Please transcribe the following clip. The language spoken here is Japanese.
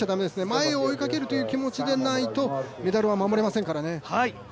前を追いかけるという気持ちでないとメダルは守れませんからね。